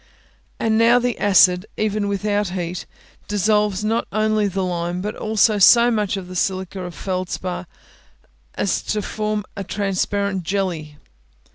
And now the acid, even without heat, dissolves not only the lime, but also so much of the silica of the feldspar as to form a transparent jelly.